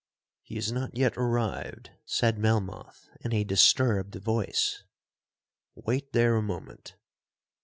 'He has not yet arrived,' said Melmoth, in a disturbed voice; 'Wait there a moment.'